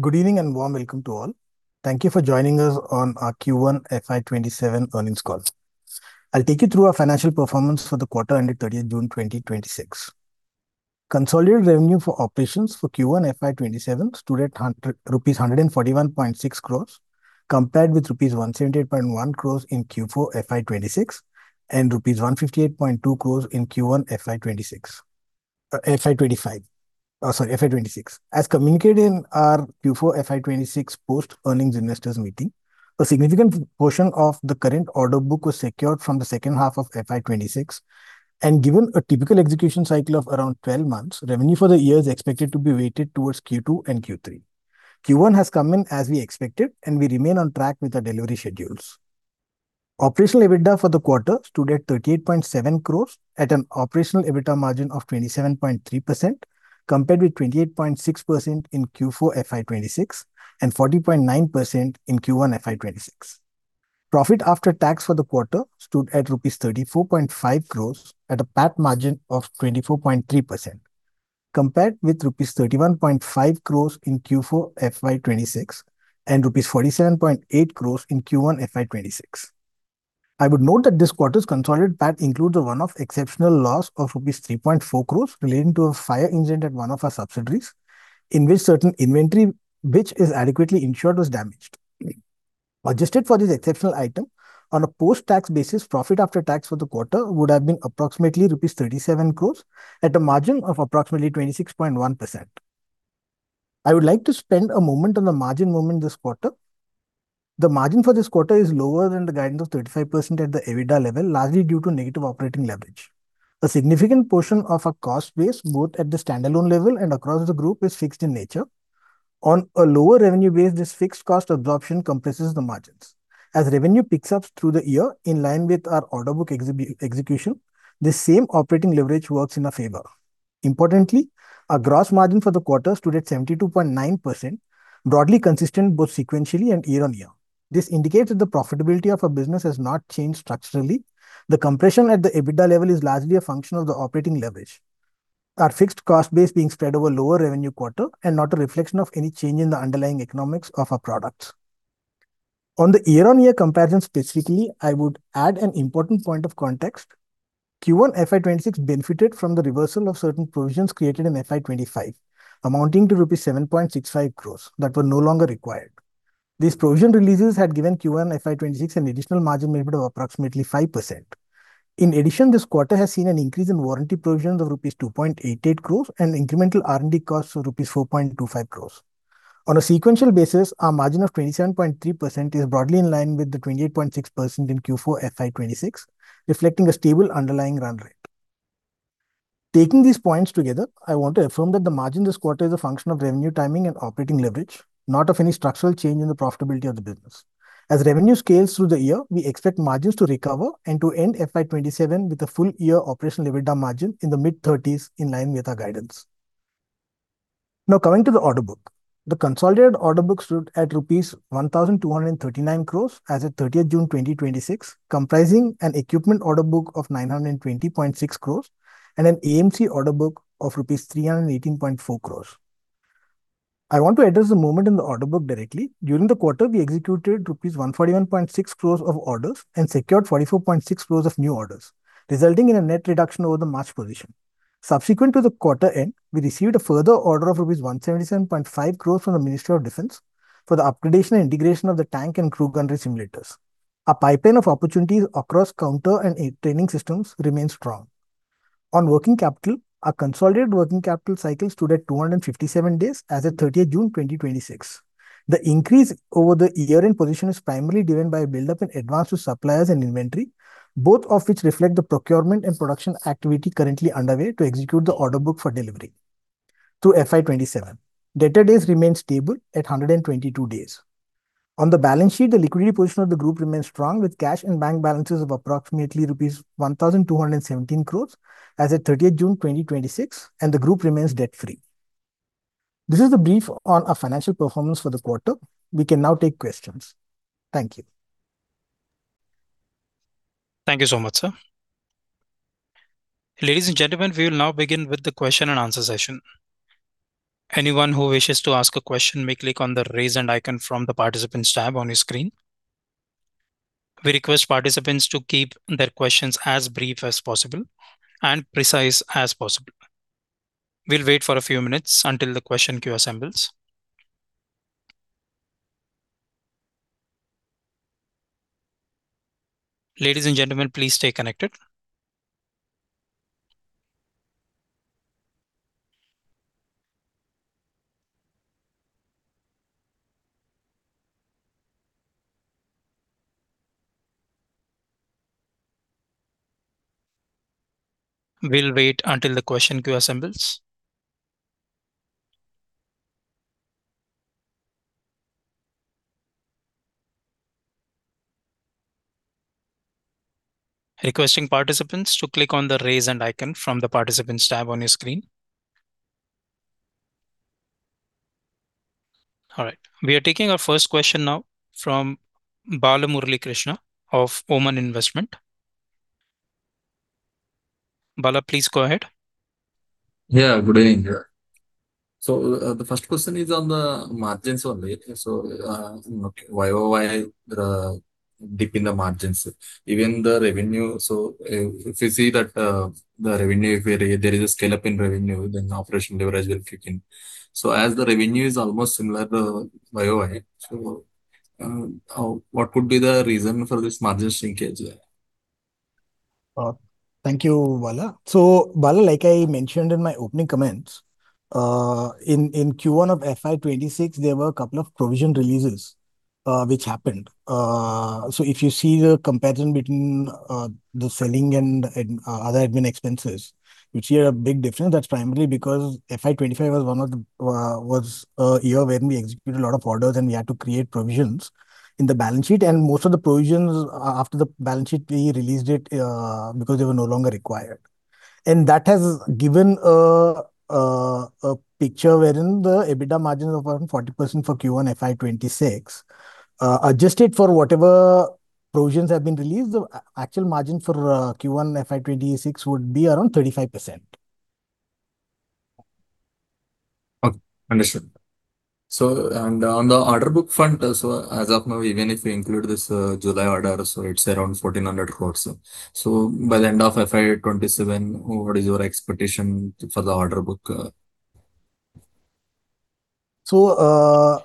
Good evening and warm welcome to all. Thank you for joining us on our Q1 FY 2027 earnings call. I'll take you through our financial performance for the quarter ended 30th June 2026. Consolidated revenue for operations for Q1 FY 2027 stood at rupees 141.6 crore, compared with rupees 178.1 crore in Q4 FY 2026 and rupees 158.2 crore in Q1 FY 2026. As communicated in our Q4 FY 2026 post-earnings investors meeting, a significant portion of the current order book was secured from the second half of FY 2026, and given a typical execution cycle of around 12 months, revenue for the year is expected to be weighted towards Q2 and Q3. Q1 has come in as we expected, and we remain on track with our delivery schedules. Operational EBITDA for the quarter stood at 38.7 crore at an operational EBITDA margin of 27.3%, compared with 28.6% in Q4 FY 2026 and 40.9% in Q1 FY 2026. Profit after tax for the quarter stood at rupees 34.5 crore at a PAT margin of 24.3%, compared with rupees 31.5 crore in Q4 FY 2026 and rupees 47.8 crore in Q1 FY 2026. I would note that this quarter's consolidated PAT includes a one-off exceptional loss of rupees 3.4 crore relating to a fire incident at one of our subsidiaries, in which certain inventory, which is adequately insured, was damaged. Adjusted for this exceptional item, on a post-tax basis, profit after tax for the quarter would have been approximately rupees 37 crore at a margin of approximately 26.1%. I would like to spend a moment on the margin movement this quarter. The margin for this quarter is lower than the guidance of 35% at the EBITDA level, largely due to negative operating leverage. A significant portion of our cost base, both at the standalone level and across the group, is fixed in nature. On a lower revenue base, this fixed cost absorption compresses the margins. As revenue picks up through the year, in line with our order book execution, this same operating leverage works in our favor. Importantly, our gross margin for the quarter stood at 72.9%, broadly consistent both sequentially and year-on-year. This indicates that the profitability of our business has not changed structurally. The compression at the EBITDA level is largely a function of the operating leverage, our fixed cost base being spread over lower revenue quarter and not a reflection of any change in the underlying economics of our products. On the year-on-year comparison specifically, I would add an important point of context. Q1 FY 2026 benefited from the reversal of certain provisions created in FY 2025, amounting to 7.65 crore rupees that were no longer required. These provision releases had given Q1 FY 2026 an additional margin improvement of approximately 5%. In addition, this quarter has seen an increase in warranty provisions of rupees 2.88 crore and incremental R&D costs of rupees 4.25 crore. On a sequential basis, our margin of 27.3% is broadly in line with the 28.6% in Q4 FY 2026, reflecting a stable underlying run rate. Taking these points together, I want to affirm that the margin this quarter is a function of revenue timing and operating leverage, not of any structural change in the profitability of the business. As revenue scales through the year, we expect margins to recover and to end FY 2027 with a full-year operational EBITDA margin in the mid-30s, in line with our guidance. Coming to the order book. The consolidated order book stood at INR 1,239 crores as of June 30th, 2026, comprising an equipment order book of 920.6 crores and an AMC order book of INR 318.4 crores. I want to address the movement in the order book directly. During the quarter, we executed INR 141.6 crores of orders and secured 44.6 crores of new orders, resulting in a net reduction over the March position. Subsequent to the quarter end, we received a further order of INR 177.5 crores from the Ministry of Defence for the upgradation and integration of the tank and crew gunnery simulators. Our pipeline of opportunities across counter and training systems remains strong. On working capital, our consolidated working capital cycle stood at 257 days as of June 30th, 2026. The increase over the year-end position is primarily driven by a buildup in advance to suppliers and inventory, both of which reflect the procurement and production activity currently underway to execute the order book for delivery through FY 2027. Debtor days remain stable at 122 days. On the balance sheet, the liquidity position of the group remains strong, with cash and bank balances of approximately rupees 1,217 crores as of June 30th, 2026, and the group remains debt-free. This is the brief on our financial performance for the quarter. We can now take questions. Thank you. Thank you so much, sir. Ladies and gentlemen, we will now begin with the question and answer session. Anyone who wishes to ask a question may click on the raise hand icon from the Participants tab on your screen. We request participants to keep their questions as brief as possible and precise as possible. We will wait for a few minutes until the question queue assembles. Ladies and gentlemen, please stay connected. We will wait until the question queue assembles. Requesting participants to click on the raise hand icon from the Participants tab on your screen. All right. We are taking our first question now from Bala Murali Krishna of Oman Investment. Bala, please go ahead. Good evening. The first question is on the margins only. Year-over-year, the dip in the margins, even the revenue. If you see that, the revenue, if there is a scale-up in revenue, then operation leverage will kick in. As the revenue is almost similar, the year-over-year. What could be the reason for this margin shrinkage there? Thank you, Bala. Bala, like I mentioned in my opening comments, in Q1 of FY 2026, there were a couple of provision releases, which happened. If you see the comparison between the selling and other admin expenses, you'd see a big difference. That's primarily because FY 2025 was a year when we executed a lot of orders, and we had to create provisions in the balance sheet, and most of the provisions, after the balance sheet, we released it, because they were no longer required. That has given a picture wherein the EBITDA margin of around 40% for Q1 FY 2026, adjusted for whatever provisions have been released, the actual margin for Q1 FY 2026 would be around 35%. Okay, understood. On the order book front, as of now, even if we include this July order, it's around 1,400 crores. By the end of FY 2027, what is your expectation for the order book?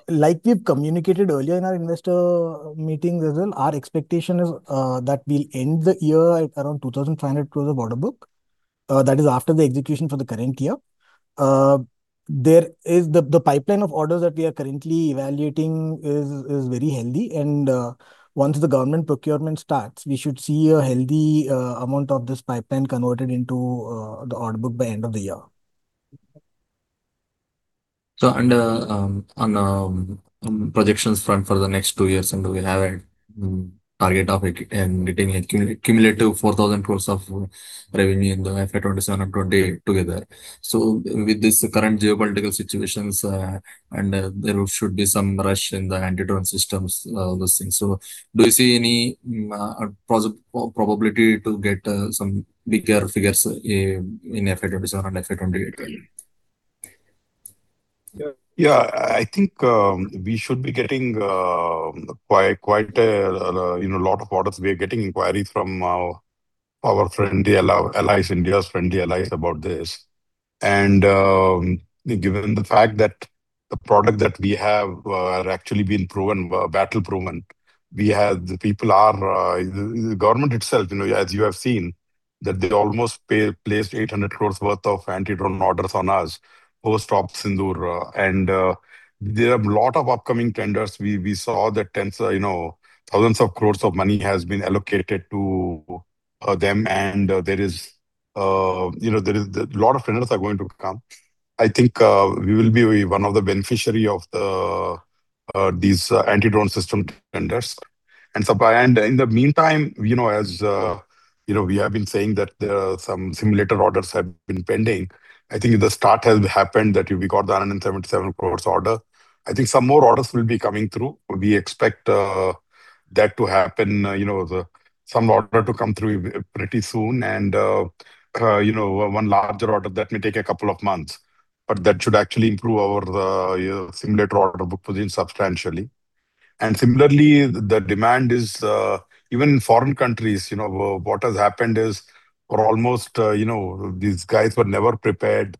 Like we've communicated earlier in our investor meetings as well, our expectation is that we'll end the year at around 2,500 crores of order book. That is after the execution for the current year. The pipeline of orders that we are currently evaluating is very healthy and, once the government procurement starts, we should see a healthy amount of this pipeline converted into the order book by end of the year. And on the projections front for the next two years, we have a target of getting a cumulative 4,000 crore of revenue in the FY 2027 and FY 2028 together. With this current geopolitical situations, there should be some rush in the anti-drone systems, all those things. Do you see any probability to get some bigger figures in FY 2027 and FY 2028? I think, we should be getting quite a lot of orders. We are getting inquiries from our friendly allies, India's friendly allies about this. Given the fact that the product that we have actually been proven, battle-proven, we have the people are The government itself, as you have seen, that they almost placed 800 crore worth of anti-drone orders on us, post Operation Sindoor. There are a lot of upcoming tenders. We saw that tens, thousands of crore of money has been allocated to them and there is a lot of tenders are going to come. I think we will be one of the beneficiary of these anti-drone system tenders. In the meantime, as we have been saying that some simulator orders have been pending. I think the start has happened, that we got the 177 crore order. I think some more orders will be coming through. We expect that to happen, some order to come through pretty soon and one larger order that may take a couple of months, but that should actually improve our simulator order book position substantially. Similarly, the demand is, even in foreign countries, what has happened is for almost, these guys were never prepared.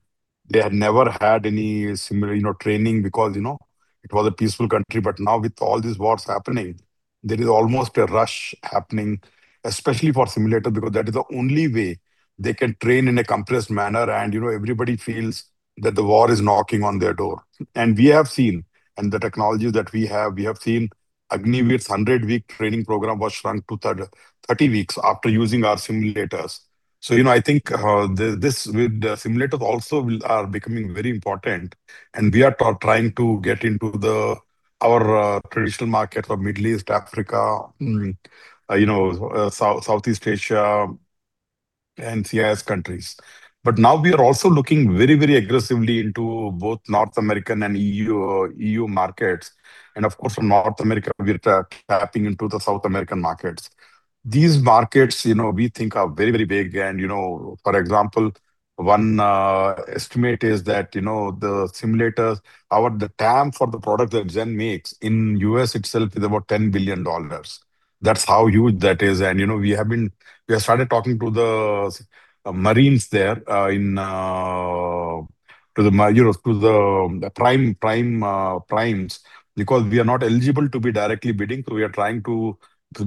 They had never had any similar training because it was a peaceful country. But now with all these wars happening, there is almost a rush happening, especially for simulator, because that is the only way they can train in a compressed manner. Everybody feels that the war is knocking on their door. We have seen, and the technologies that we have, we have seen Agniveer's 100-week training program was shrunk to 30 weeks after using our simulators. I think, this with simulators also are becoming very important, and we are trying to get into our traditional market for Middle East, Africa, Southeast Asia and CIS countries. But now we are also looking very aggressively into both North American and EU markets. Of course, from North America, we are tapping into the South American markets. These markets, we think are very big and, for example, one estimate is that the simulators, our-- the TAM for the product that Zen Technologies makes in U.S. itself is about $10 billion. That's how huge that is. We have started talking to the marines there, to the primes, because we are not eligible to be directly bidding, so we are trying to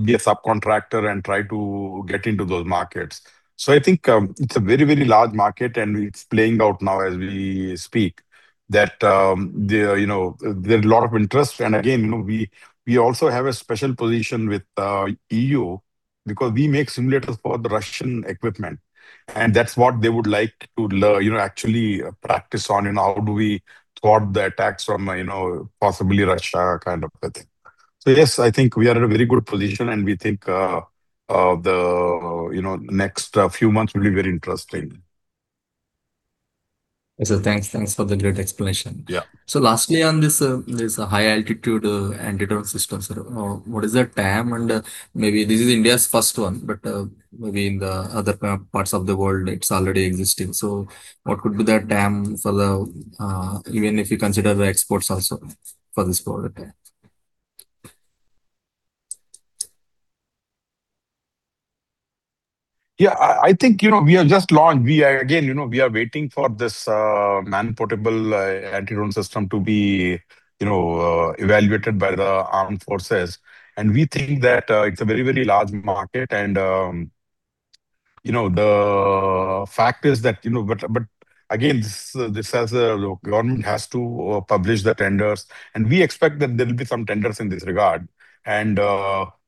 be a subcontractor and try to get into those markets. I think, it's a very large market, it's playing out now as we speak that there is a lot of interest. Again, we also have a special position with EU because we make simulators for the Russian equipment, and that's what they would like to actually practice on and how do we thwart the attacks from possibly Russia kind of a thing. Yes, I think we are in a very good position, and we think, the next few months will be very interesting. Yes, sir. Thanks for the great explanation. Yeah. Lastly on this high-altitude anti-drone systems, what is the TAM? Maybe this is India's first one, but maybe in the other parts of the world it's already existing. What could be the TAM, even if you consider the exports also for this product? I think we have just launched. Again, we are waiting for this man-portable anti-drone system to be evaluated by the armed forces. We think that it's a very large market. Again, the government has to publish the tenders, and we expect that there'll be some tenders in this regard.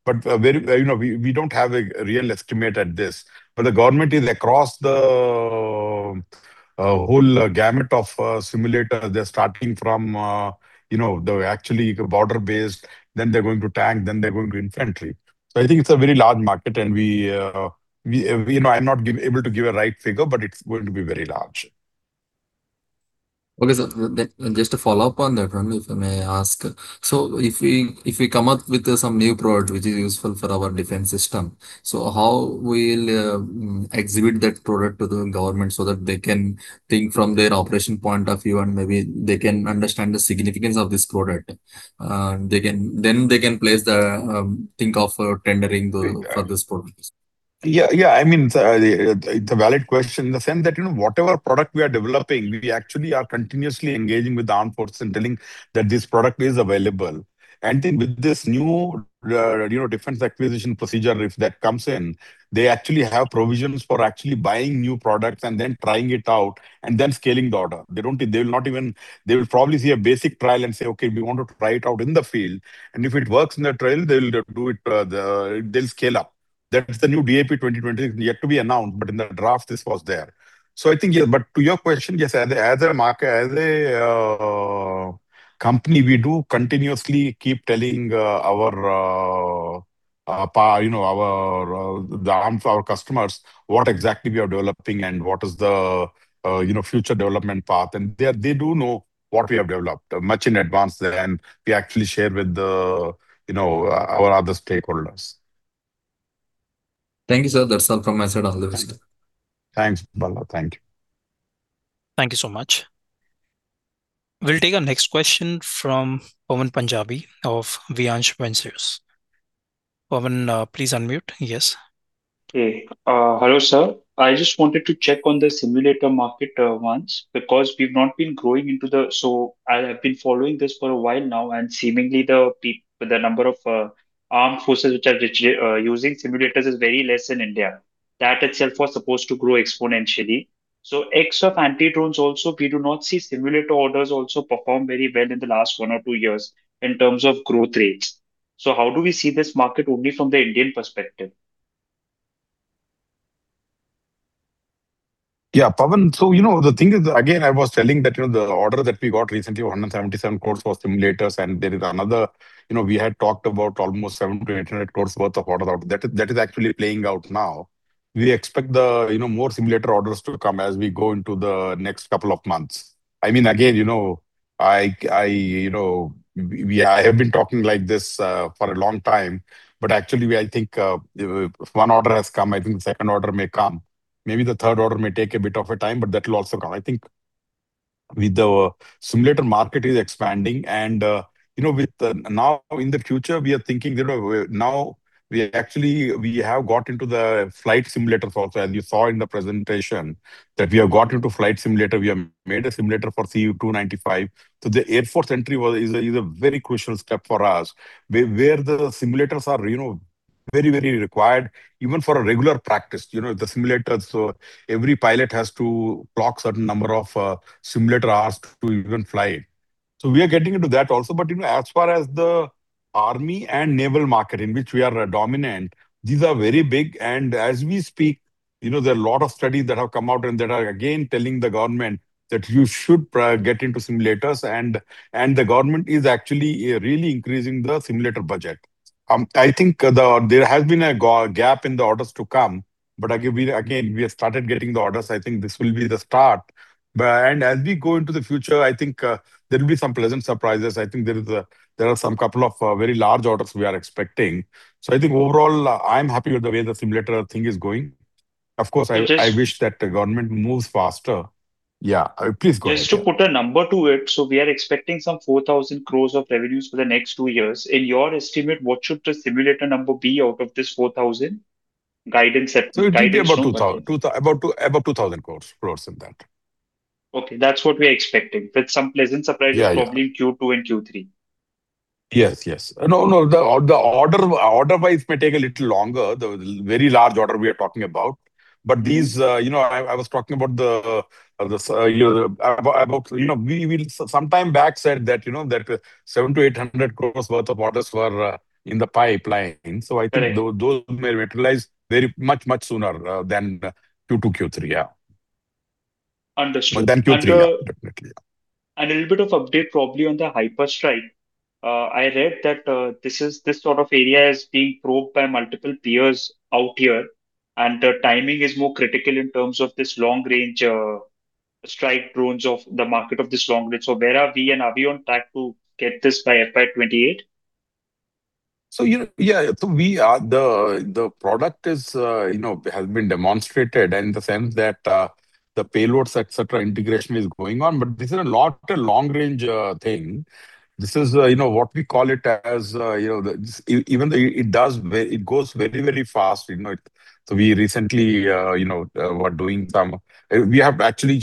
We don't have a real estimate at this. The government is across the whole gamut of simulators. They're starting from actually border-based, then they're going to tank, then they're going to infantry. I think it's a very large market, and I'm not able to give a right figure, but it's going to be very large. Okay, sir. Just to follow up on that one, if I may ask. If we come up with some new product which is useful for our defense system, how we'll exhibit that product to the government so that they can think from their operation point of view, and maybe they can understand the significance of this product, then they can think of tendering for this product? Yeah, it's a valid question in the sense that whatever product we are developing, we actually are continuously engaging with the armed forces and telling that this product is available. With this new Defence Acquisition Procedure, if that comes in, they actually have provisions for actually buying new products and then trying it out, and then scaling the order. They will probably see a basic trial and say, okay, we want to try it out in the field. If it works in the trial, they'll scale up. That's the new DAP 2020, yet to be announced, but in the draft this was there. To your question, yes, as a market, as a company, we do continuously keep telling our customers what exactly we are developing and what is the future development path. They do know what we have developed much in advance then, we actually share with our other stakeholders. Thank you, sir. That's all from my side on this. Thanks, Bala. Thank you. Thank you so much. We'll take our next question from Pawan Punjabi of Viansh Ventures. Pawan, please unmute. Yes. Hello, sir. I just wanted to check on the simulator market once, because we've not been growing into the I have been following this for a while now, and seemingly the number of armed forces which are using simulators is very less in India. That itself was supposed to grow exponentially. X of anti-drones also, we do not see simulator orders also perform very well in the last one or two years in terms of growth rates. How do we see this market only from the Indian perspective? Pawan. The thing is, again, I was telling that the order that we got recently, 177 crore for simulators, and there is another. We had talked about almost 700 crore-800 crore worth of orders out. That is actually playing out now. We expect more simulator orders to come as we go into the next couple of months. Again, I have been talking like this for a long time, but actually, I think one order has come. I think the second order may come. Maybe the third order may take a bit of a time, but that will also come. I think with the simulator market is expanding, and now in the future, we are thinking, now we have got into the flight simulators also, as you saw in the presentation, that we have got into flight simulator. We have made a simulator for C-295. The Air Force entry is a very crucial step for us, where the simulators are very required even for a regular practice. The simulators, every pilot has to clock certain number of simulator hours to even fly it. We are getting into that also. As far as the army and naval market, in which we are dominant, these are very big, and as we speak, there are a lot of studies that have come out and that are again telling the government that you should get into simulators, and the government is actually really increasing the simulator budget. I think there has been a gap in the orders to come, again, we have started getting the orders. I think this will be the start. As we go into the future, I think there will be some pleasant surprises. I think there are some couple of very large orders we are expecting. I think overall, I am happy with the way the simulator thing is going. Of course, I wish that the government moves faster. Yeah. Please go ahead. Just to put a number to it. We are expecting some 4,000 crore of revenues for the next two years. In your estimate, what should the simulator number be out of this 4,000 guidance set? It could be above 2,000 crore in that. Okay, that's what we are expecting. With some pleasant surprise. Yeah. Probably in Q2 and Q3. Yes. No, order-wise may take a little longer, the very large order we are talking about. These, I was talking about the, some time back said that 700 crores-800 crores worth of orders were in the pipeline. Right. I think those may materialize very much sooner than Q2, Q3, yeah. Understood. Q3, yeah. Definitely, yeah. A little bit of update probably on the HyperStrike. I read that this sort of area is being probed by multiple peers out here, and the timing is more critical in terms of this long-range strike drones of the market of this long range. Where are we, and are we on track to get this by FY 2028? Yeah. The product has been demonstrated in the sense that the payloads, et cetera, integration is going on, but this is not a long-range thing. This is what we call it as, even though it goes very fast. We recently were doing We have actually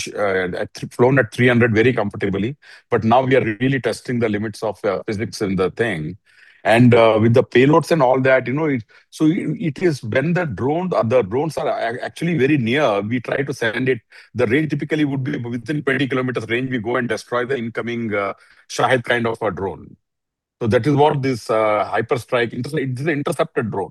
flown at 300 very comfortably, but now we are really testing the limits of physics in the thing. With the payloads and all that. When the drones are actually very near, we try to send it. The range typically would be within 20 kilometers range, we go and destroy the incoming Shahed kind of a drone. That is what this HyperStrike, it is an intercepted drone.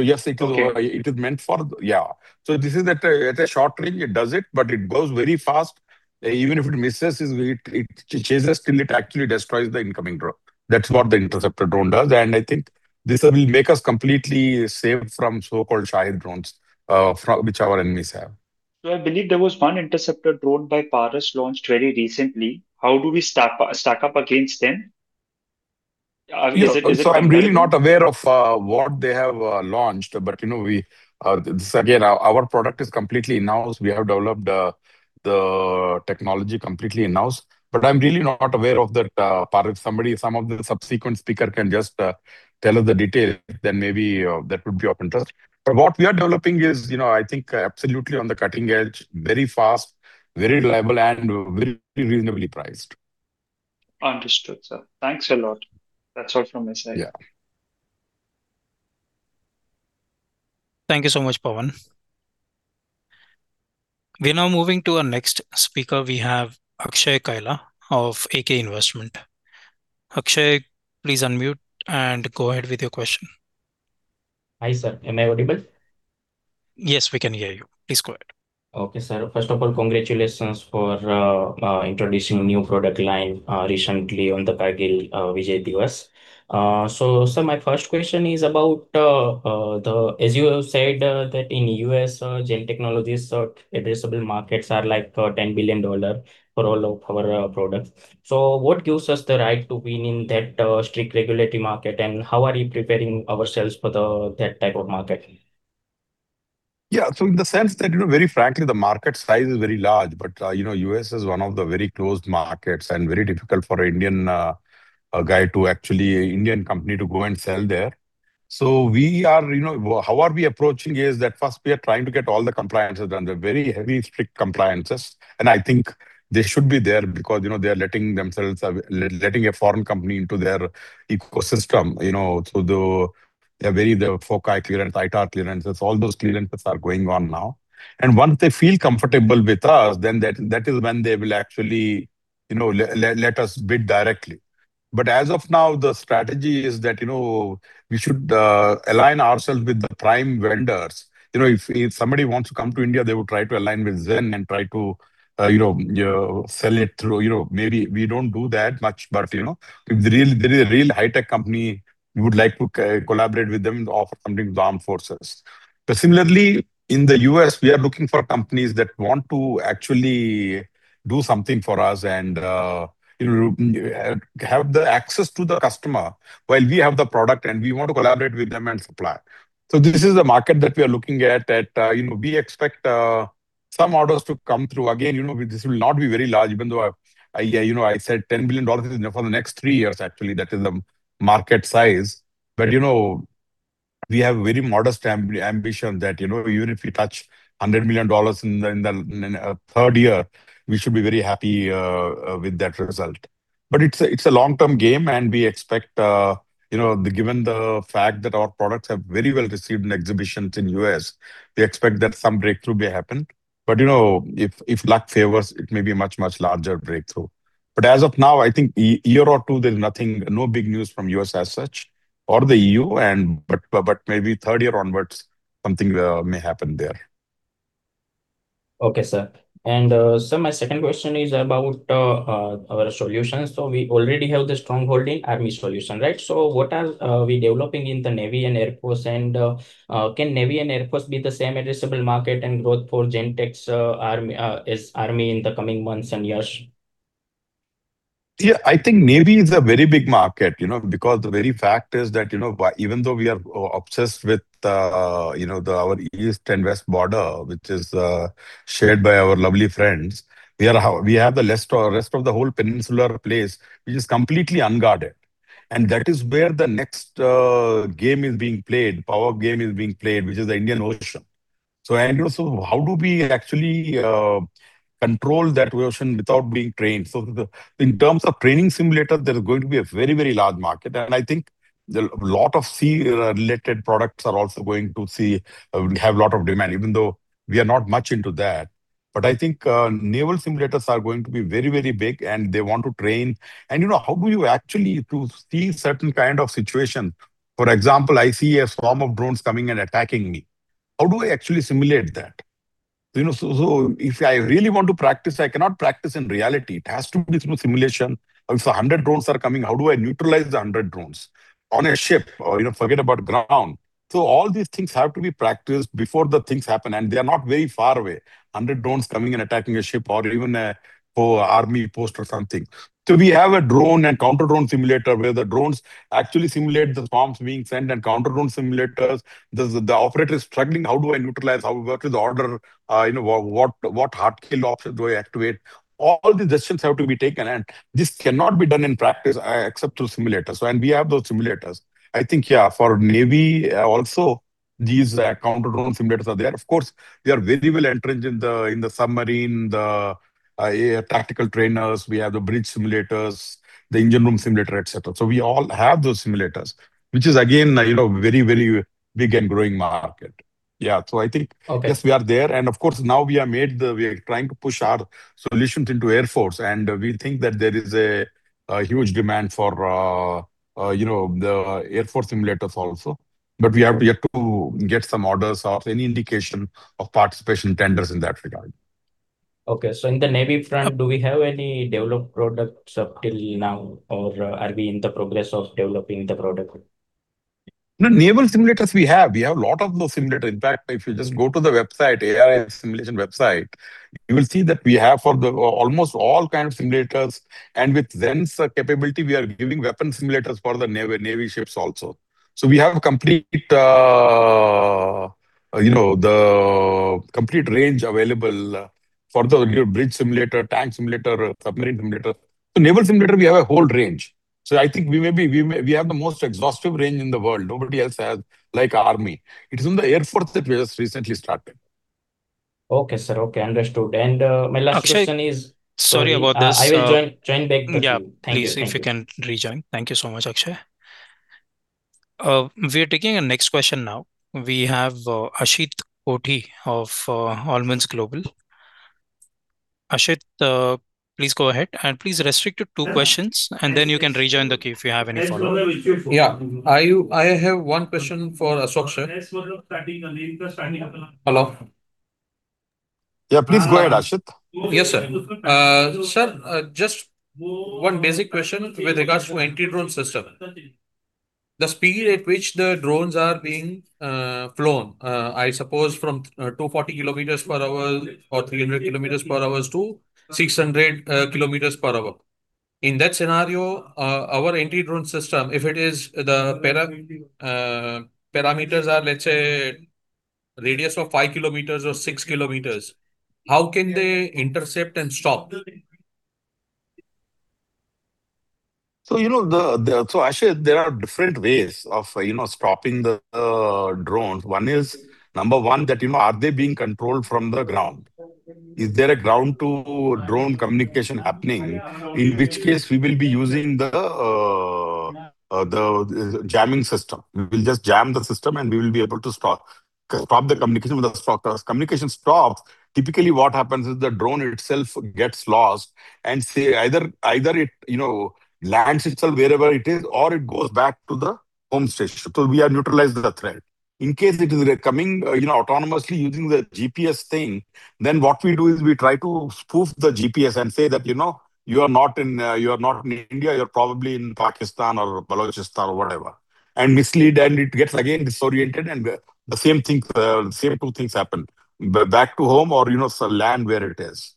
Yes. Okay. It is meant for Yeah. This is at a short range, it does it, but it goes very fast. Even if it misses, it chases till it actually destroys the incoming drone. That's what the interceptor drone does. I think this will make us completely safe from so-called Shahed drones, which our enemies have. I believe there was one interceptor drone by Paras launched very recently. How do we stack up against them? Is it competitive? I'm really not aware of what they have launched. Again, our product is completely in-house. We have developed the technology completely in-house. I'm really not aware of that Paras. Some of the subsequent speaker can just tell us the detail, then maybe that would be of interest. What we are developing is, I think absolutely on the cutting edge, very fast, very reliable, and very reasonably priced. Understood, sir. Thanks a lot. That's all from my side. Yeah. Thank you so much, Pawan. We're now moving to our next speaker. We have Akshay Kaila of AK Investment. Akshay, please unmute and go ahead with your question. Hi, sir. Am I audible? Yes, we can hear you. Please go ahead. Okay, sir. First of all, congratulations for introducing new product line recently on the Kargil Vijay Diwas. Sir, my first question is about, as you have said, that in U.S., Zen Technologies' addressable markets are like $10 billion for all of our products. What gives us the right to win in that strict regulatory market, and how are you preparing ourselves for that type of market? Yeah. In the sense that, very frankly, the market size is very large, but U.S. is one of the very closed markets and very difficult for an Indian company to go and sell there. How are we approaching is that first we are trying to get all the compliances done. They're very heavy, strict compliances, and I think they should be there because they're letting a foreign company into their ecosystem. They have FOCI clearance, ITAR clearances, all those clearances are going on now. Once they feel comfortable with us, then that is when they will actually let us bid directly. As of now, the strategy is that we should align ourselves with the prime vendors. If somebody wants to come to India, they would try to align with Zen Technologies and try to sell it through. Maybe we don't do that much. If there is a real high-tech company, we would like to collaborate with them and offer something to armed forces. Similarly, in the U.S., we are looking for companies that want to actually do something for us and have the access to the customer while we have the product, and we want to collaborate with them and supply. This is the market that we are looking at. We expect some orders to come through. Again, this will not be very large, even though I said $10 billion is for the next three years, actually, that is the market size. We have very modest ambition that even if we touch $100 million in the third year, we should be very happy with that result. It's a long-term game, and we expect, given the fact that our products have very well received in exhibitions in U.S., we expect that some breakthrough may happen. If luck favors, it may be a much larger breakthrough. As of now, I think a year or two, there's no big news from U.S. as such, or the EU, but maybe third year onwards, something may happen there. Okay, sir. Sir, my second question is about our solutions. We already have the strong hold in army solution, right? What are we developing in the navy and air force, and can navy and air force be the same addressable market and growth for Zen Technologies' army in the coming months and years? Yeah. I think navy is a very big market, because the very fact is that even though we are obsessed with our east and west border, which is shared by our lovely friends, we have the rest of the whole peninsular place, which is completely unguarded. That is where the next game is being played, power game is being played, which is the Indian Ocean. How do we actually control that ocean without being trained? In terms of training simulator, there is going to be a very large market, and I think a lot of sea-related products are also going to have a lot of demand, even though we are not much into that. I think naval simulators are going to be very big, and they want to train. How do you actually foresee certain kind of situation? For example, I see a swarm of drones coming and attacking me. How do I actually simulate that? If I really want to practice, I cannot practice in reality. It has to be through simulation. If 100 drones are coming, how do I neutralize the 100 drones on a ship? Or forget about ground. All these things have to be practiced before the things happen, and they are not very far away, 100 drones coming and attacking a ship or even a poor army post or something. We have a drone and counter drone simulator where the drones actually simulate the bombs being sent and counter drone simulators. The operator is struggling, how do I neutralize, how work is order, what hard kill options do I activate? All the decisions have to be taken, and this cannot be done in practice except through simulators. We have those simulators. I think, yeah, for Navy, also, these counter drone simulators are there. Of course, they are very well entrenched in the submarine, the AI tactical trainers. We have the bridge simulators, the engine room simulator, et cetera. We all have those simulators, which is again very big and growing market. Okay. Yes, we are there. Of course, now we are trying to push our solutions into Air Force, we think that there is a huge demand for the Air Force simulators also. We have yet to get some orders or any indication of participation tenders in that regard. Okay. In the Navy front, do we have any developed products up till now, or are we in the progress of developing the product? No, naval simulators we have. We have a lot of those simulators. In fact, if you just go to the website, ARI Simulation website, you will see that we have for almost all kind of simulators, and with Zen Technologies' capability, we are giving weapon simulators for the navy ships also. We have the complete range available for the bridge simulator, tank simulator, submarine simulator. The naval simulator, we have a whole range. I think we have the most exhaustive range in the world. Nobody else has, like army. It is in the Air Force that we have just recently started. Okay, sir. Okay, understood. My last question is- Akshay, sorry about this. I will join back with you. Thank you. Yeah. Please, if you can rejoin. Thank you so much, Akshay. We're taking a next question now. We have Ashit Kothi of Almondz Global. Ashit, please go ahead, and please restrict to two questions, and then you can rejoin the queue if you have any follow-up. Yeah. I have one question for Ashok, sir. Hello? Yeah, please go ahead, Ashit. Yes, sir. Sir, just one basic question with regards to anti-drone system. The speed at which the drones are being flown, I suppose from 240 km/h or 300 km/h to 600 km/h. In that scenario, our anti-drone system, if it is the parameters are, let's say, radius of 5 km or 6 km, how can they intercept and stop? Ashit, there are different ways of stopping the drones. One is, number one, are they being controlled from the ground? Is there a ground to drone communication happening? In which case, we will be using the jamming system. We will just jam the system, and we will be able to stop the communication with the structure. As communication stops, typically what happens is the drone itself gets lost and either it lands itself wherever it is, or it goes back to the home station. We have neutralized the threat. In case it is coming autonomously using the GPS thing, what we do is we try to spoof the GPS and say that, you are not in India. You're probably in Pakistan or Balochistan, or whatever, and mislead, and it gets again disoriented and the same two things happen, back to home or, just land where it is.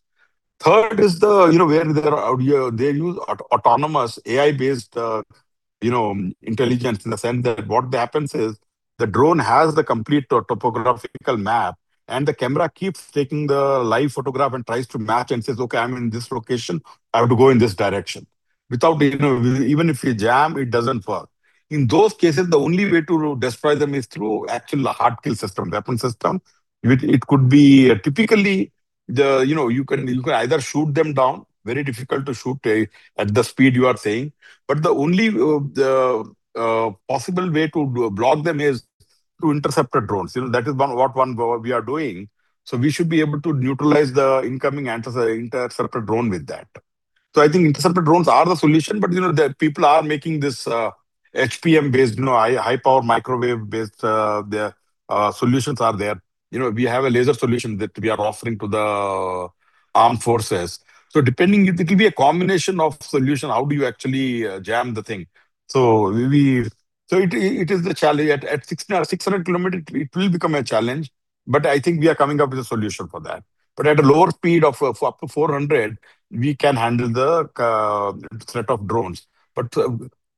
Third is where they use autonomous AI-based intelligence in the sense that what happens is the drone has the complete topographical map, and the camera keeps taking the live photograph and tries to match and says, okay, I'm in this location. I have to go in this direction. Even if you jam, it doesn't work. In those cases, the only way to destroy them is through actual hard kill system, weapon system. It could be typically, you can either shoot them down, very difficult to shoot at the speed you are saying. The only possible way to block them is through interceptor drones. That is what we are doing. We should be able to neutralize the incoming interceptor drone with that. I think interceptor drones are the solution, the people are making this HPM-based, high power microwave-based, solutions are there. We have a laser solution that we are offering to the armed forces. Depending, it will be a combination of solution, how do you actually jam the thing. It is the challenge. At 600 km, it will become a challenge, I think we are coming up with a solution for that. At a lower speed of up to 400 km, we can handle the threat of drones.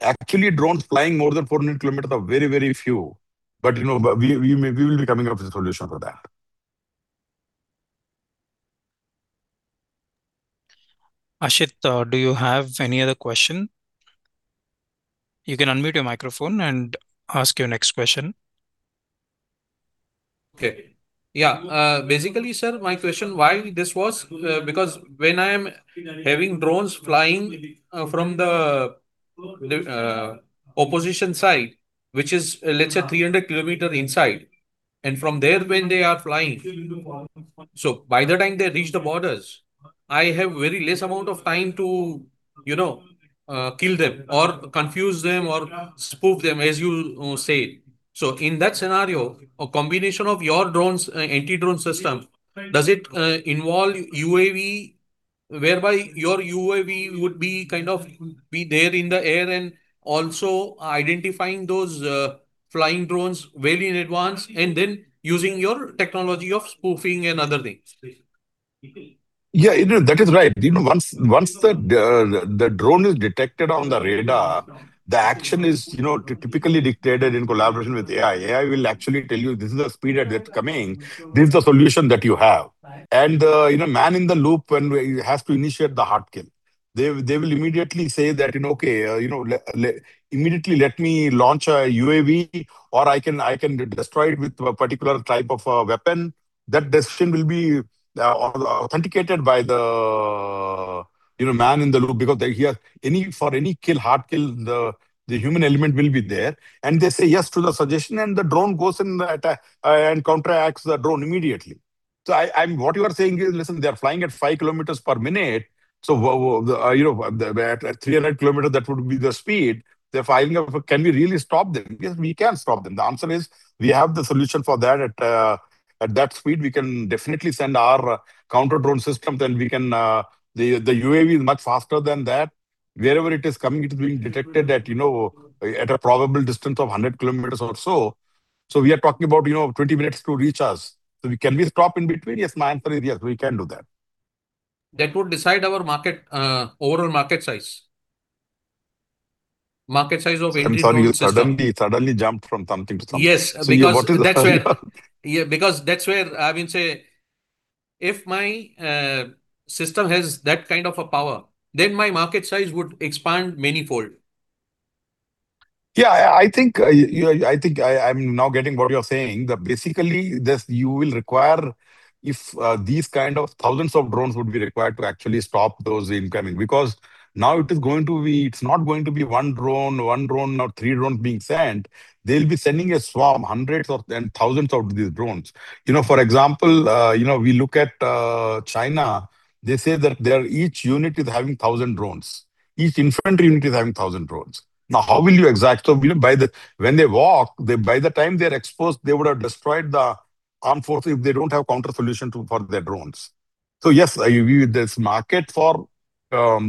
Actually drones flying more than 400 km are very few. We will be coming up with a solution for that. Ashit, do you have any other question? You can unmute your microphone and ask your next question. Okay. Yeah. Basically, sir, my question, why this was, because when I am having drones flying from the opposition side, which is, let's say, 300 km inside, and from there when they are flying. By the time they reach the borders I have very less amount of time to kill them or confuse them or spoof them, as you say. In that scenario, a combination of your anti-drone system, does it involve UAV whereby your UAV would be there in the air, and also identifying those flying drones way in advance, and then using your technology of spoofing and other things? Yeah, that is right. Once the drone is detected on the radar, the action is typically dictated in collaboration with AI. AI will actually tell you, this is the speed at which it's coming. This is the solution that you have. The man in the loop then has to initiate the hard kill. They will immediately say, okay, immediately let me launch a UAV, or I can destroy it with a particular type of a weapon. That decision will be authenticated by the man in the loop, because for any hard kill, the human element will be there, and they say yes to the suggestion, and the drone goes in and counteracts the drone immediately. What you are saying is, listen, they are flying at 5 km/min, so at 300 km, that would be the speed they're flying. Can we really stop them? Yes, we can stop them. The answer is, we have the solution for that. At that speed, we can definitely send our counter-drone system. The UAV is much faster than that. Wherever it is coming, it is being detected at a probable distance of 100 km or so. We are talking about 20 minutes to reach us. Can we stop in between? Yes, my answer is yes, we can do that. That would decide our overall market size. Market size of anti-drone system. I'm sorry, you suddenly jumped from something to something. Yes. What is the- That's where I will say, if my system has that kind of a power, then my market size would expand manyfold. Yeah. I think I'm now getting what you're saying. That basically, thousands of drones would be required to actually stop those incoming, because now it's not going to be one drone or three drones being sent. They'll be sending a swarm, hundreds and thousands of these drones. For example, we look at China, they say that each unit is having 1,000 drones. Each infantry unit is having 1,000 drones. By the time they're exposed, they would have destroyed the armed force if they don't have counter solution for their drones. Yes, this market for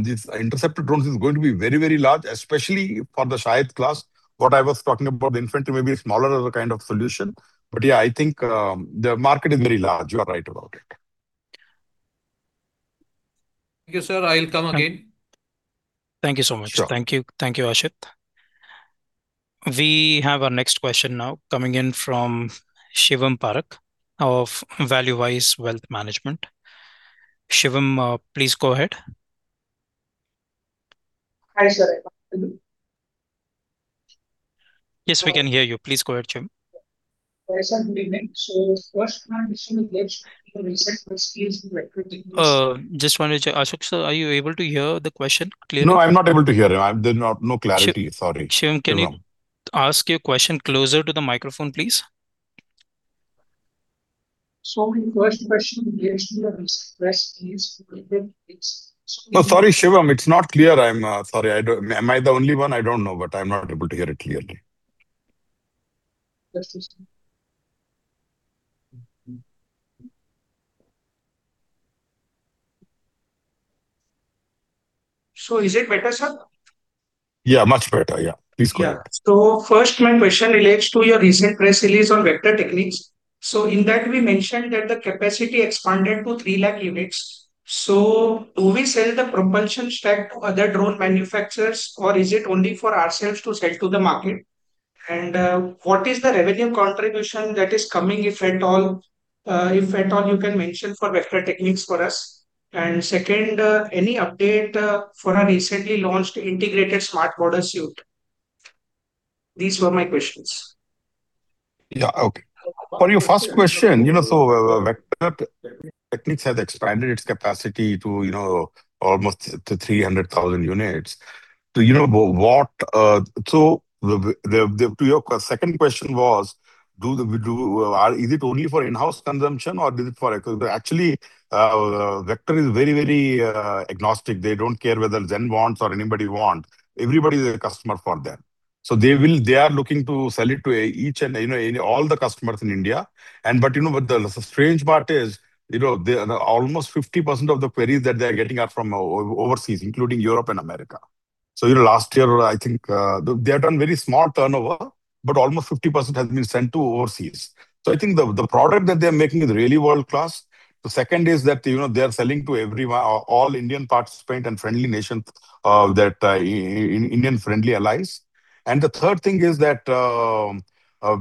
these interceptor drones is going to be very large, especially for the Shahed class. What I was talking about, the infantry may be a smaller other kind of solution. Yeah, I think the market is very large. You are right about it. Thank you, sir. I'll come again. Thank you so much. Sure. Thank you, Ashit. We have our next question now coming in from Shivam Parakh of ValueWise Wealth Management. Shivam, please go ahead. Hi, sir. Yes, we can hear you. Please go ahead, Shivam. Hi, sir. Good evening. First [inaudible] Ashok sir, are you able to hear the question clearly? No, I'm not able to hear him. There's no clarity. Sorry. Shivam, can you ask your question closer to the microphone, please? My first question relates to the press release. No. Sorry, Shivam, it's not clear. I'm sorry. Am I the only one? I don't know, but I'm not able to hear it clearly. Yes, sir. Is it better, sir? Yeah, much better. Yeah. Please go ahead. Yeah. First, my question relates to your recent press release on Vector Technics. In that, we mentioned that the capacity expanded to 300,000 units. Do we sell the propulsion stack to other drone manufacturers, or is it only for ourselves to sell to the market? What is the revenue contribution that is coming, if at all you can mention for Vector Technics for us? Second, any update for our recently launched Integrated Smart Border Suite? These were my questions. Yeah. Okay. For your first question, Vector Technics has expanded its capacity to almost to 300,000 units. Your second question was, is it only for in-house consumption or is it for Actually, Vector Technics is very agnostic. They don't care whether Zen Technologies wants or anybody want. Everybody is a customer for them. They are looking to sell it to all the customers in India. But the strange part is, almost 50% of the queries that they're getting are from overseas, including Europe and America. Last year, I think, they had done very small turnover, but almost 50% has been sent to overseas. I think the product that they're making is really world-class. The second is that they are selling to all Indian participant and Indian friendly allies. The third thing is that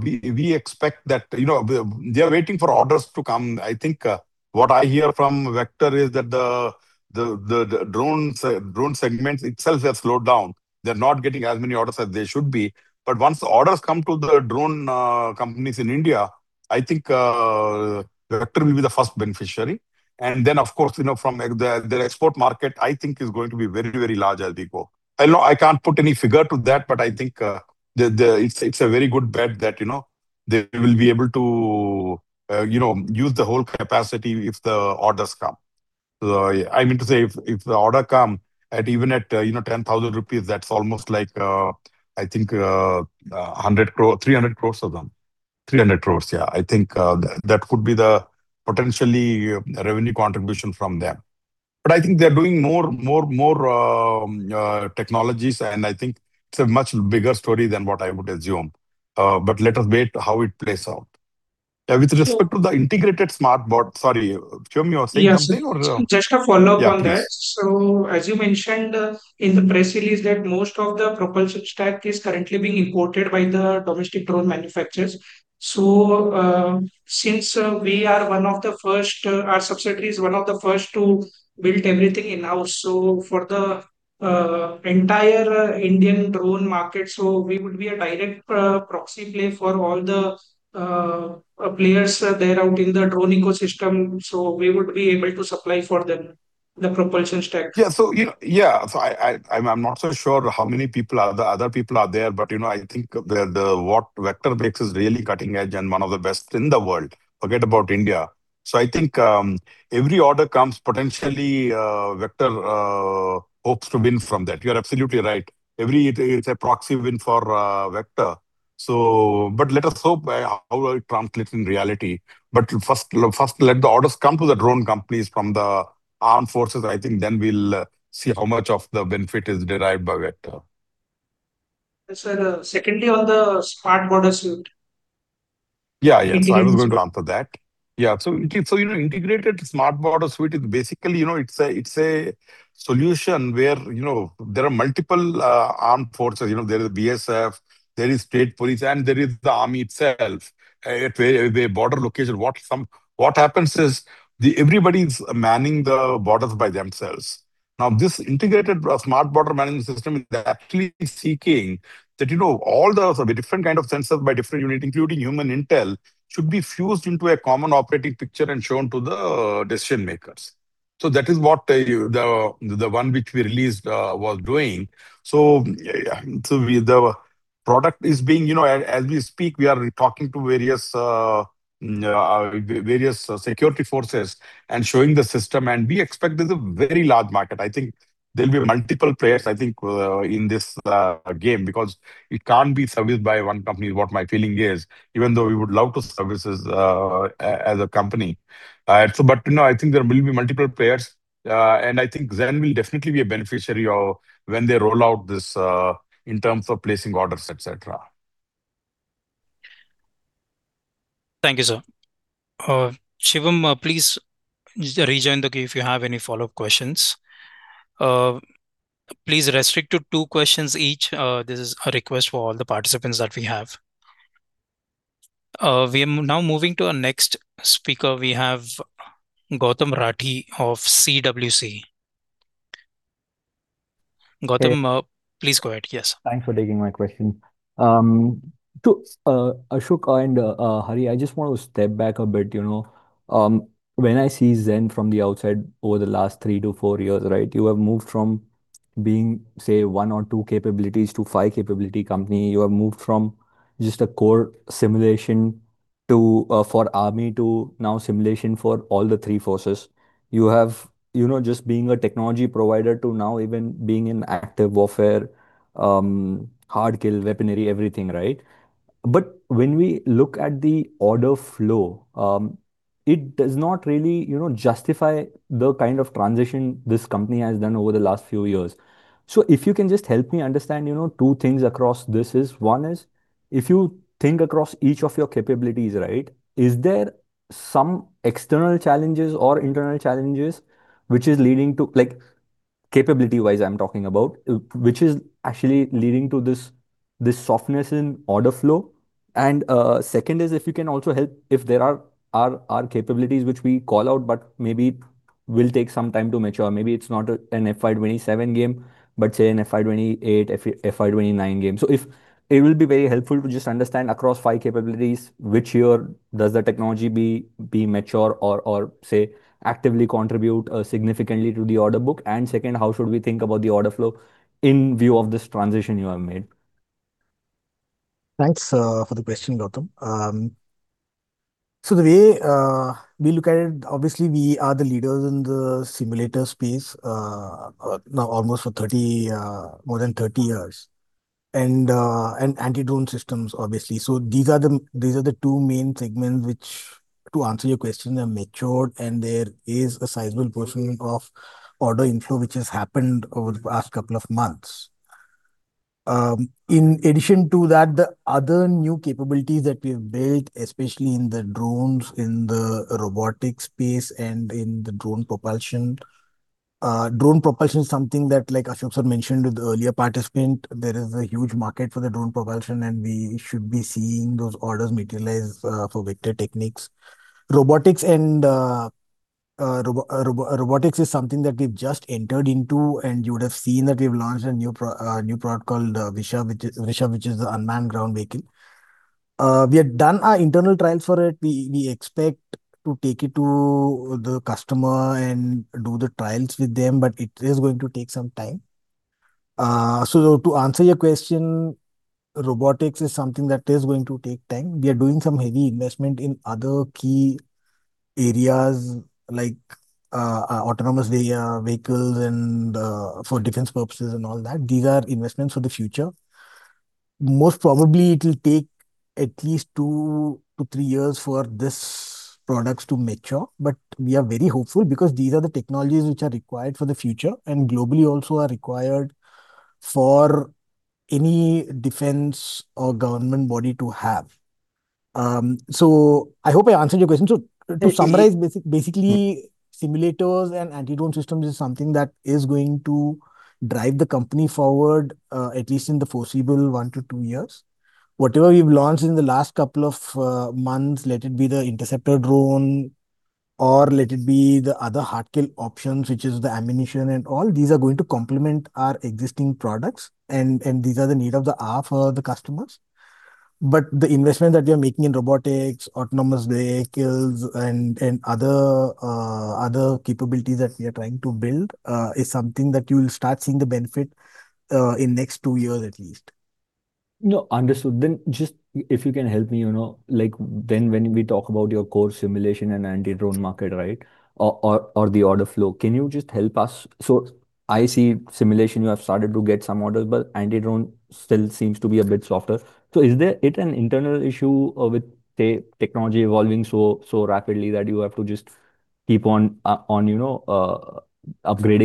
we expect that they are waiting for orders to come. I think what I hear from Vector is that the drone segments itself has slowed down. They're not getting as many orders as they should be. Once the orders come to the drone companies in India, I think Vector Technics will be the first beneficiary. Then, of course, from their export market, I think is going to be very large as they go. I know I can't put any figure to that, but I think it's a very good bet that they will be able to use the whole capacity if the orders come. I mean to say, if the order come at even at 10,000 rupees, that's almost like, I think, 300 crore of them. 300 crore, yeah. I think that could be the potentially revenue contribution from them. I think they're doing more technologies, and I think it's a much bigger story than what I would assume. Let us wait how it plays out. With respect to the Integrated Smart Border- Sorry, Shivam, you were saying something or no? Yes, just a follow-up on that. Yeah, please. As you mentioned in the press release that most of the propulsion stack is currently being imported by the domestic drone manufacturers. Since our subsidiary is one of the first to build everything in-house, for the entire Indian drone market, we would be a direct proxy play for all the players there out in the drone ecosystem, we would be able to supply for them the propulsion stack. I'm not so sure how many other people are there, but I think what Vector Technics makes is really cutting-edge and one of the best in the world. Forget about India. I think every order comes potentially Vector Technics hopes to win from that. You're absolutely right. Every day it's a proxy win for Vector Technics. Let us hope how it translates in reality. First let the orders come to the drone companies from the armed forces, I think then we'll see how much of the benefit is derived by Vector Technics. Yes, sir. Secondly, on the Integrated Smart Border Suite. Yeah. Integrated- I was going to answer that. Integrated Smart Border Suite is basically, it's a solution where there are multiple armed forces, there is Border Security Force, there is state police, and there is the Army itself at the border location. What happens is, everybody's manning the borders by themselves. Now, this integrated smart border management system is actually seeking that all the different kind of sensors by different unit, including human intel, should be fused into a common operating picture and shown to the decision-makers. That is what the one which we released was doing. The product is being, as we speak, we are talking to various security forces and showing the system, and we expect there's a very large market. I think there'll be multiple players, I think, in this game, because it can't be serviced by one company, is what my feeling is. Even though we would love to service as a company. I think there will be multiple players. I think Zen Technologies will definitely be a beneficiary of when they roll out this, in terms of placing orders, et cetera. Thank you, sir. Shivam, please rejoin the queue if you have any follow-up questions. Please restrict to two questions each. This is a request for all the participants that we have. We are now moving to our next speaker. We have Gautam Rathi of CWC. Gautam Yes. Please go ahead. Yes. Thanks for taking my question. To Ashok and Hari, I just want to step back a bit. When I see Zen Technologies from the outside over the last three to four years, right? You have moved from being, say, one or two capabilities to five capability company. You have moved from just a core simulation for army to now simulation for all the three forces. You have just being a technology provider to now even being in active warfare, hard kill weaponry, everything, right? When we look at the order flow, it does not really justify the kind of transition this company has done over the last few years. If you can just help me understand two things across this is. One is, if you think across each of your capabilities, right, is there some external challenges or internal challenges which is leading to, capability-wise, I'm talking about, which is actually leading to this softness in order flow? Second is, if you can also help, if there are capabilities which we call out but maybe will take some time to mature. Maybe it's not an FY 2027 game, but say an FY 2028, FY 2029 game. It will be very helpful to just understand across five capabilities, which year does the technology be mature or, say, actively contribute significantly to the order book? Second, how should we think about the order flow in view of this transition you have made? Thanks for the question, Gautam. The way we look at it, obviously, we are the leaders in the simulator space now almost more than 30 years. Anti-drone systems, obviously. These are the two main segments which, to answer your question, have matured, and there is a sizable portion of order inflow which has happened over the past couple of months. In addition to that, the other new capabilities that we've built, especially in the drones, in the robotic space, and in the drone propulsion. Drone propulsion is something that, like Ashok sir mentioned with the earlier participant, there is a huge market for the drone propulsion, and we should be seeing those orders materialize for Vector Technics. Robotics is something that we've just entered into, and you would have seen that we've launched a new product called Vrishab, which is the unmanned ground vehicle. We have done our internal trial for it. We expect to take it to the customer and do the trials with them, but it is going to take some time. To answer your question, robotics is something that is going to take time. We are doing some heavy investment in other key areas like autonomous vehicles and for defense purposes and all that. These are investments for the future. Most probably it will take at least two to three years for these products to mature. We are very hopeful because these are the technologies which are required for the future and globally also are required for any defense or government body to have. I hope I answered your question. To summarize, basically simulators and anti-drone systems is something that is going to drive the company forward, at least in the foreseeable one to two years. Whatever we've launched in the last couple of months, let it be the interceptor drone, or let it be the other hard kill options, which is the ammunition and all, these are going to complement our existing products and these are the need of the hour for the customers. The investment that we are making in robotics, autonomous vehicles and other capabilities that we are trying to build, is something that you will start seeing the benefit in next two years at least. Understood. Just if you can help me, when we talk about your core simulation and anti-drone market, or the order flow, can you just help us? I see simulation, you have started to get some orders, but anti-drone still seems to be a bit softer. Is it an internal issue or with technology evolving so rapidly that you have to just keep on upgrading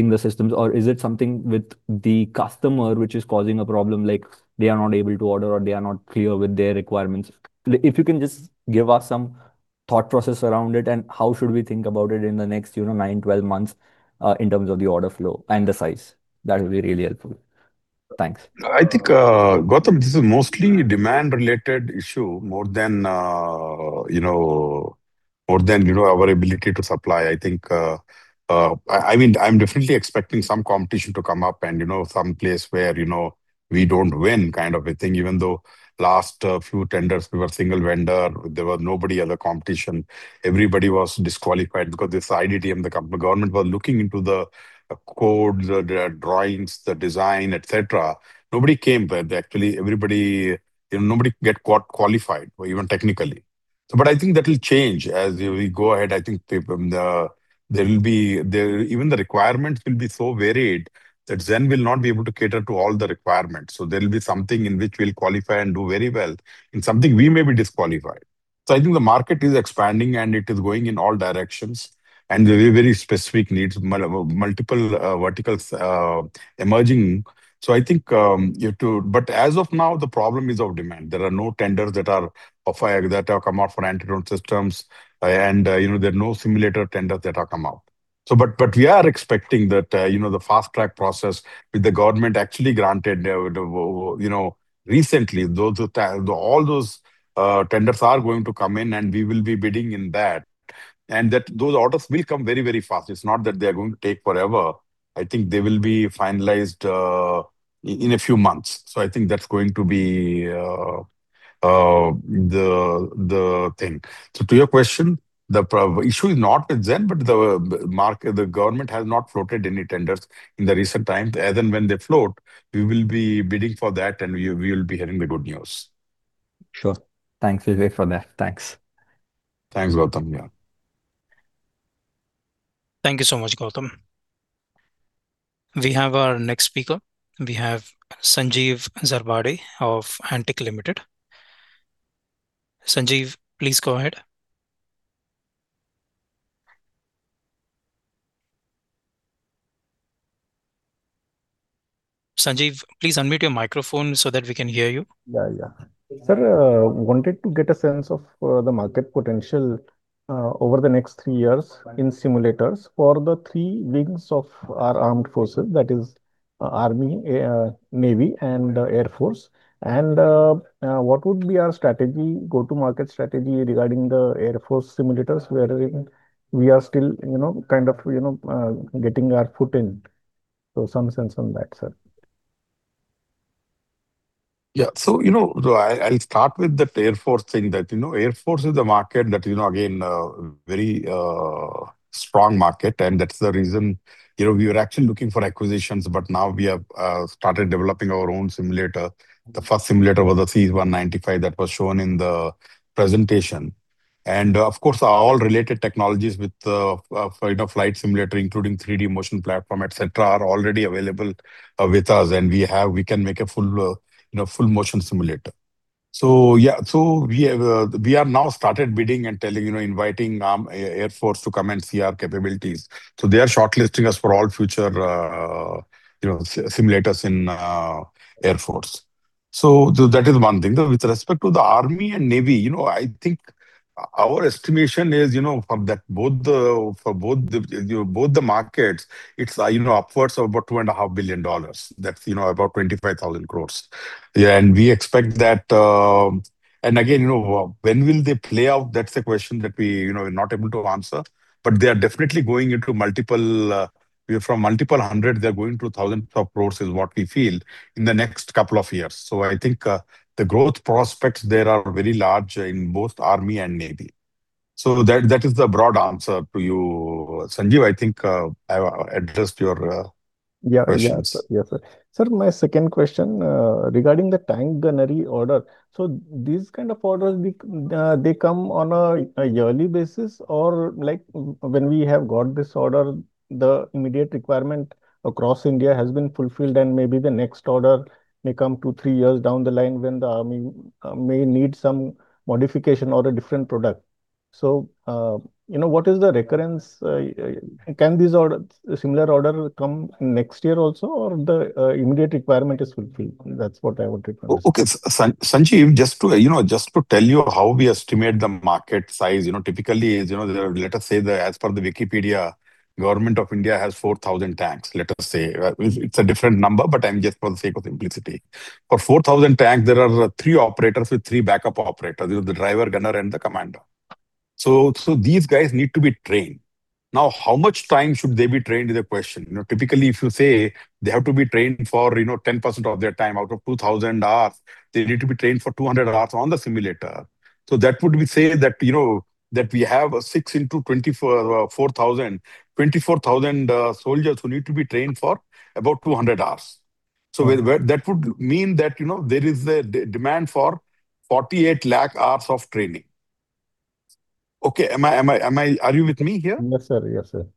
the systems? Or is it something with the customer which is causing a problem, like they are not able to order or they are not clear with their requirements? If you can just give us some thought process around it and how should we think about it in the next nine, 12 months, in terms of the order flow and the size. That would be really helpful. Thanks. I think, Gautam, this is mostly demand-related issue more than our ability to supply. I mean, I'm definitely expecting some competition to come up and some place where we don't win kind of a thing, even though last few tenders we were single vendor, there were nobody other competition. Everybody was disqualified because this IDM, the government was looking into the codes, the drawings, the design, et cetera. Nobody came there, actually, nobody get qualified even technically. I think that will change as we go ahead. I think even the requirements will be so varied that Zen Technologies will not be able to cater to all the requirements. There will be something in which we'll qualify and do very well, and something we may be disqualified. I think the market is expanding, and it is going in all directions, and there are very specific needs, multiple verticals emerging. As of now, the problem is of demand. There are no tenders that have come out for anti-drone systems. There are no simulator tenders that have come out. We are expecting that the fast-track process with the government actually granted recently, all those tenders are going to come in, and we will be bidding in that, and that those orders will come very fast. It's not that they're going to take forever. I think they will be finalized in a few months. I think that's going to be the thing. To your question, the issue is not with Zen Technologies, but the government has not floated any tenders in the recent times. As and when they float, we will be bidding for that, and we will be hearing the good news. Sure. Thanks, Ashok, for that. Thanks. Thanks, Gautam. Yeah. Thank you so much, Gautam. We have our next speaker. We have Sanjeev Zarbade of Antique Stock Broking. Sanjeev, please go ahead. Sanjeev, please unmute your microphone so that we can hear you. Sir, wanted to get a sense of the market potential over the next three years in simulators for the three wings of our armed forces, that is Army, Navy and Air Force. What would be our go-to-market strategy regarding the Air Force simulators wherein we are still kind of getting our foot in. Some sense on that, sir. I'll start with that Air Force thing. Air Force is the market that, again, very strong market, and that's the reason we were actually looking for acquisitions, but now we have started developing our own simulator. The first simulator was the C-295 that was shown in the presentation. Of course, all related technologies with flight simulator, including 3D motion platform, et cetera, are already available with us, and we can make a full motion simulator. We are now started bidding and inviting Air Force to come and see our capabilities. They are shortlisting us for all future simulators in Air Force. That is one thing. With respect to the Army and Navy, I think our estimation is for both the markets, it's upwards of about INR 2.5 billion. That's about 25,000 crores. We expect that. Again, when will they play out? That's a question that we are not able to answer, but they are definitely going into multiple. From multiple 100 crores, they're going to 1,000 crores is what we feel in the next couple of years. I think, the growth prospects there are very large in both Army and Navy. That is the broad answer to you, Sanjeev. I think I've addressed your questions. Yeah. Sir, my second question regarding the tank gunnery order. These kind of orders, they come on a yearly basis or when we have got this order, the immediate requirement across India has been fulfilled, and maybe the next order may come two, three years down the line when the army may need some modification or a different product. What is the recurrence? Can these similar order come next year also or the immediate requirement is fulfilled? That's what I want to confirm. Okay. Sanjeev, just to tell you how we estimate the market size, typically is, let us say that as per the Wikipedia, Government of India has 4,000 tanks, let us say. It's a different number, but just for the sake of simplicity. For 4,000 tanks, there are three operators with three backup operators. You have the driver, gunner, and the commander. These guys need to be trained. Now, how much time should they be trained is the question. Typically, if you say they have to be trained for 10% of their time. Out of 2,000 hours, they need to be trained for 200 hours on the simulator. That would be, say that, we have a six into 4,000, 24,000 soldiers who need to be trained for about 200 hours. That would mean that, there is a demand for 48 lakh hours of training. Okay. Are you with me here? Yes, sir.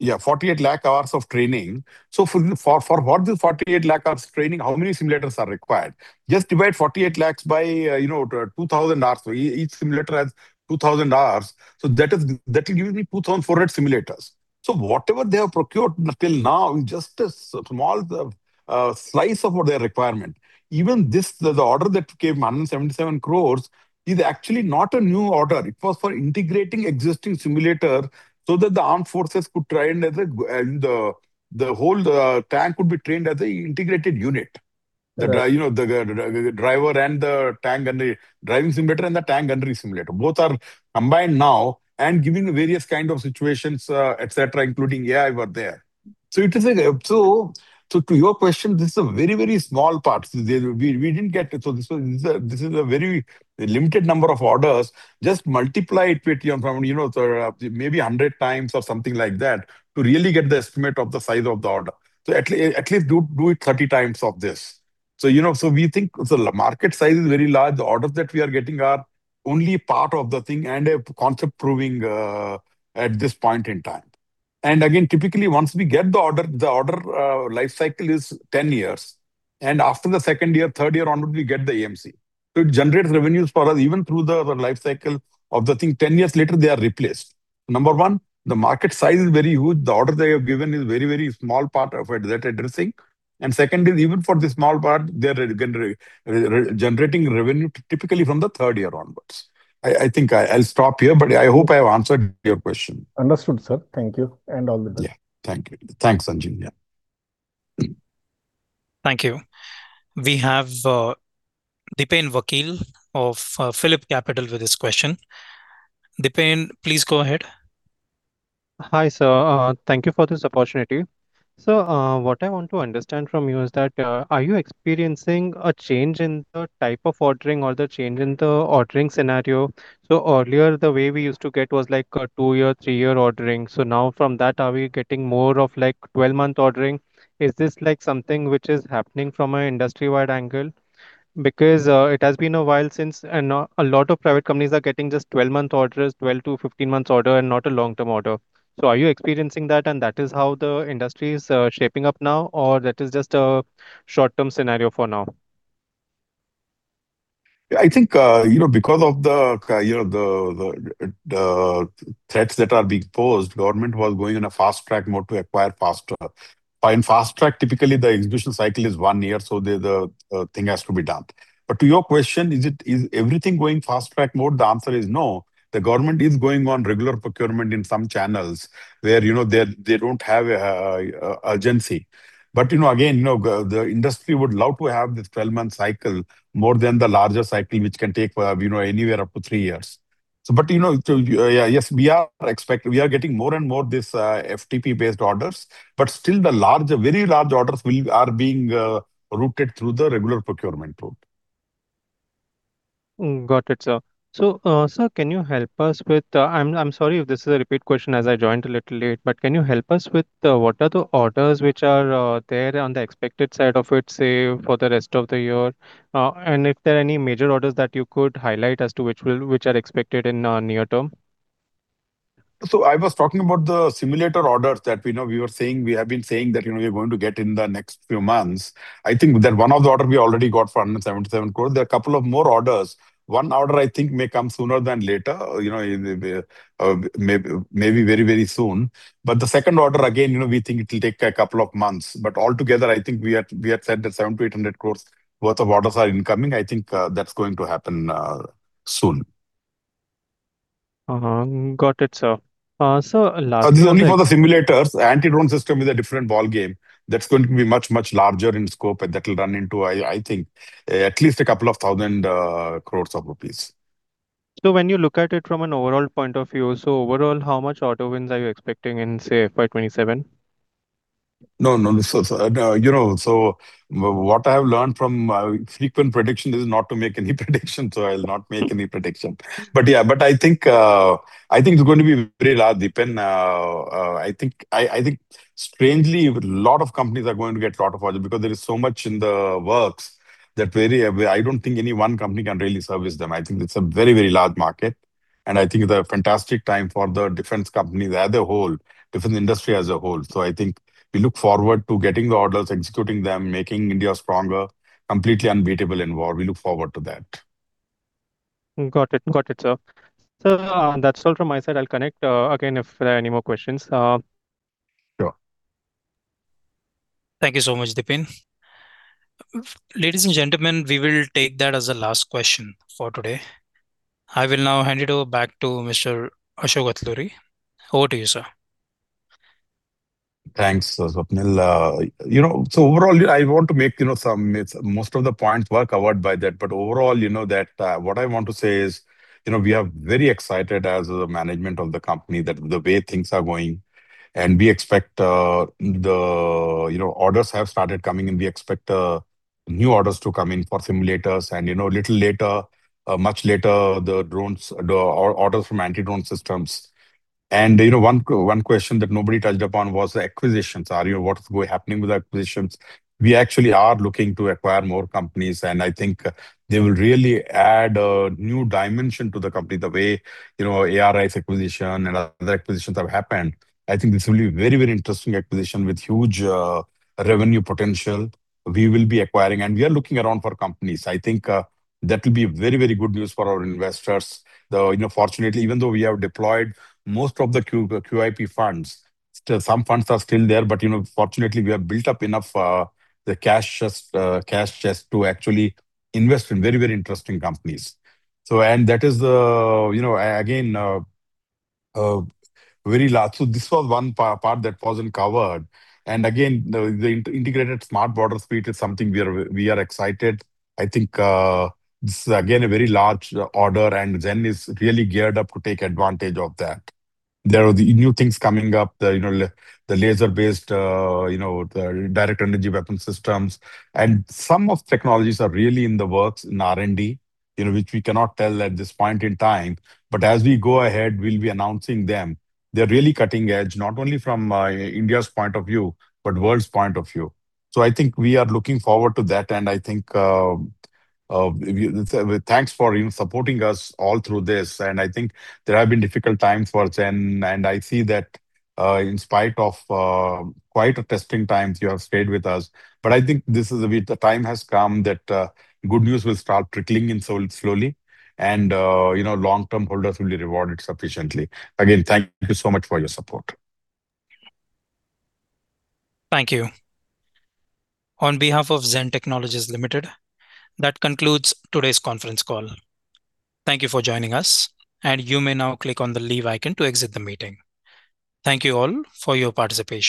Yeah, 48 lakh hours of training. For what this 48 lakh hours training, how many simulators are required? Just divide 48 lakhs by 2,000 hours. Each simulator has 2,000 hours, so that will give me 2,400 simulators. Whatever they have procured until now is just a small slice of what their requirement. Even this, the order that came, 177 crore, is actually not a new order. It was for integrating existing simulator so that the armed forces could try it and the whole tank could be trained as a integrated unit. Right. The driver and the tank gunnery, driving simulator and the tank gunnery simulator, both are combined now and given various kind of situations, et cetera, including AI were there. To your question, this is a very small part. This is a very limited number of orders. Just multiply it with, maybe 100 times or something like that to really get the estimate of the size of the order. At least do it 30 times of this. We think the market size is very large. The orders that we are getting are only part of the thing and a concept proving at this point in time. Again, typically, once we get the order, the order life cycle is 10 years, and after the second year, third year onward, we get the AMC. It generates revenues for us even through the life cycle of the thing. 10 years later, they are replaced. Number one, the market size is very huge. The order they have given is very small part of it that addressing. Second is even for the small part, they're generating revenue typically from the third year onwards. I think I'll stop here, but I hope I have answered your question. Understood, sir. Thank you, and all the best. Thank you. Thanks, Sanjeev. Thank you. We have Dipen Vakil of PhillipCapital with his question. Dipen, please go ahead. Hi, sir. Thank you for this opportunity. Sir, what I want to understand from you is that, are you experiencing a change in the type of ordering or the change in the ordering scenario? Earlier, the way we used to get was, like, a two-year, three-year ordering. Now from that, are we getting more of 12-month ordering? Is this something which is happening from an industry-wide angle? Because it has been a while since, and a lot of private companies are getting just 12-month orders, 12-15 months order and not a long-term order. Are you experiencing that and that is how the industry is shaping up now, or that is just a short-term scenario for now? I think, because of the threats that are being posed, government was going in a fast-track mode to acquire faster. By in fast track, typically, the execution cycle is one year, the thing has to be done. To your question, is everything going fast-track mode? The answer is no. The government is going on regular procurement in some channels where they don't have urgency. Again, the industry would love to have this 12-month cycle more than the larger cycle, which can take anywhere up to three years. Yes, we are getting more and more this FTP-based orders, but still the very large orders are being routed through the regular procurement route. Got it, sir. Sir, can you help us with I'm sorry if this is a repeat question as I joined a little late, but can you help us with what are the orders which are there on the expected side of it, say, for the rest of the year? If there are any major orders that you could highlight as to which are expected in near term? I was talking about the simulator orders that we have been saying that we're going to get in the next few months. I think that one of the order we already got for 177 crore. There are a couple of more orders. One order, I think may come sooner than later. Maybe very soon. The second order, again, we think it'll take a couple of months. Altogether, I think we had said that 700 crore-800 crore worth of orders are incoming. I think that's going to happen soon. Got it, sir. Sir, last- This is only for the simulators. Anti-drone system is a different ballgame that's going to be much, much larger in scope, and that will run into, I think, at least 2,000 crore rupees. When you look at it from an overall point of view, overall, how much order wins are you expecting in, say, FY 2027? No, what I have learned from frequent prediction is not to make any prediction, I'll not make any prediction. I think it's going to be very large, Dipen. I think strangely, a lot of companies are going to get a lot of orders because there is so much in the works that I don't think any one company can really service them. I think it's a very large market, and I think it's a fantastic time for the defense companies as a whole, defense industry as a whole. I think we look forward to getting the orders, executing them, making India stronger, completely unbeatable in war. We look forward to that. Got it, sir. Sir, that's all from my side. I'll connect again if there are any more questions. Sure. Thank you so much, Dipen. Ladies and gentlemen, we will take that as the last question for today. I will now hand it back to Mr. Ashok Atluri. Over to you, sir. Thanks, Swapnil. Overall, I want to make Most of the points were covered by that, overall, what I want to say is, we are very excited as the management of the company the way things are going. Orders have started coming, and we expect new orders to come in for simulators and, little much later, the orders from anti-drone systems. One question that nobody touched upon was the acquisitions. What's happening with acquisitions? We actually are looking to acquire more companies, and I think they will really add a new dimension to the company, the way ARI acquisition and other acquisitions have happened. I think this will be a very interesting acquisition with huge revenue potential we will be acquiring. We are looking around for companies. I think that will be very good news for our investors. Fortunately, even though we have deployed most of the QIP funds, some funds are still there. Fortunately, we have built up enough cash chest to actually invest in very interesting companies. This was one part that wasn't covered. Again, the Integrated Smart Border Suite is something we are excited. I think this is, again, a very large order, and Zen Technologies is really geared up to take advantage of that. There are new things coming up, the laser-based, the direct energy weapon systems. Some of technologies are really in the works in R&D, which we cannot tell at this point in time. As we go ahead, we'll be announcing them. They're really cutting-edge, not only from India's point of view, but world's point of view. I think we are looking forward to that, and thanks for supporting us all through this. I think there have been difficult times for Zen Technologies, and I see that in spite of quite testing times, you have stayed with us. I think the time has come that good news will start trickling in slowly, and long-term holders will be rewarded sufficiently. Again, thank you so much for your support. Thank you. On behalf of Zen Technologies Limited, that concludes today's conference call. Thank you for joining us, and you may now click on the leave icon to exit the meeting. Thank you all for your participation.